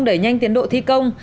đẩy nhanh tiến độ thi công